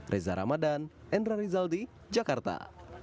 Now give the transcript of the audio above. reza ramadan endra rizaldi jakarta